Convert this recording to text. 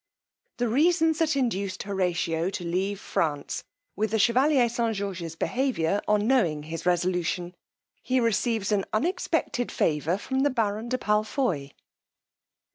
_The reasons that induced Horatio to leave France; with the chevalier St. George's behaviour on knowing his resolution. He receives an unexpected favour from the baron de Palfoy.